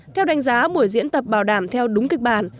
theo đánh giá buổi diễn tập bảo đảm theo đúng kịch bản